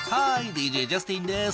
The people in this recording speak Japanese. ＤＪジャスティンです。